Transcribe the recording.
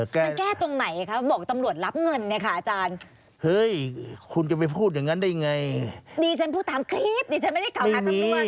เขาจะเปิดเผยตัวออกมาหรืออาจารย์จะไปฟ้องเขาหรืออย่างนี้